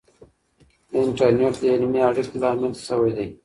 د انټرنیټ د علمي اړیکو لامل سوی دی.